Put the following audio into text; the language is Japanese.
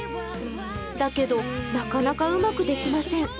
だけどなかなかうまくできません。